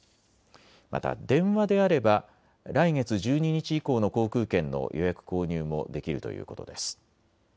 また電話であれば来月１２日以降の航空券の予約・購入もできるということです。